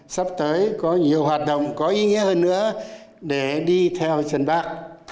sắp tới có nhiều hoạt động có ý nghĩa hơn nữa để đi theo chân bác